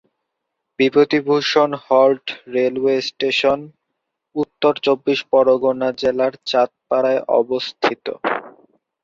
Bibhutibhushan halt railway station উত্তর চব্বিশ পরগণা জেলার চাঁদপাড়ায় অবস্থিত।